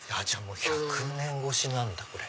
１００年越しなんだこれ。